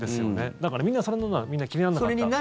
だから、みんなそんなのは気にならなかった。